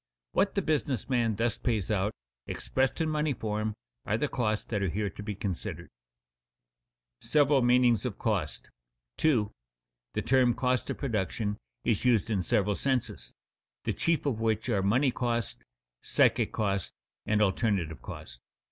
What the business man thus pays out, expressed in money form, are the costs that are here to be considered. [Sidenote: Several meanings of cost] 2. _The term cost of production is used in several senses, the chief of which are money cost, psychic cost, and alternative cost.